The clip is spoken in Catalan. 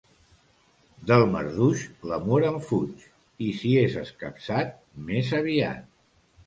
Del marduix, l'amor en fuig, i si és escapçat, més aviat.